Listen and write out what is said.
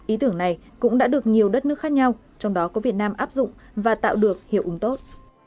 ý tưởng này cũng đã được nhiều đất nước khác nhau trong đó có việt nam áp dụng và tạo được hiệu ứng tốt